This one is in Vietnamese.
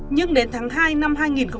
nhưng đến tháng hai năm hai nghìn hai mươi bốn